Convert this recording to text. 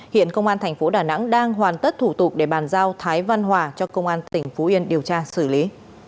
hiện công an thành phố đà nẵng đang hoàn tất thủ tục để bàn giao thái văn hòa cho công an tỉnh phú yên điều tra xử lý